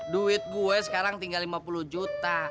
duit gue sekarang tinggal lima puluh juta